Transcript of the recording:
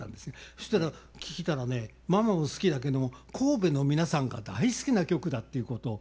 そしたら聞いたらねママも好きだけども神戸の皆さんが大好きな曲だっていうことを伺いました。